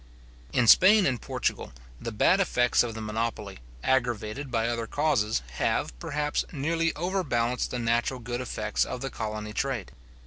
In Spain and Portugal, the bad effects of the monopoly, aggravated by other causes, have, perhaps, nearly overbalanced the natural good effects of the colony trade.